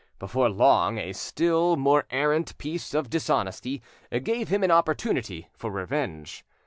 Before long a still mare arrant piece of dishonesty gave him an opportunity for revenge.